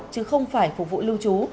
chứ không phải phục vụ lưu trú